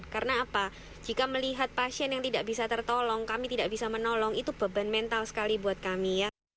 karena apa jika melihat pasien yang tidak bisa tertolong kami tidak bisa menolong itu beban mental sekali buat kami